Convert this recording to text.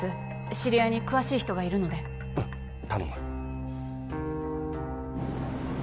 知り合いに詳しい人がいるのでうん頼む